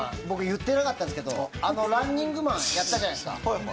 僕言ってなかったんですけどあのランニングマンやったじゃないですか。